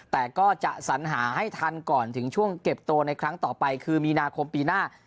แต่ก็จะสัญหาให้ทันก่อนถึงช่วงเก็บตัวในครั้งต่อไปคือมีนาคมปีหน้า